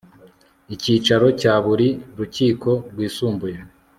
icyicaro cya buri rukiko rwisumbuye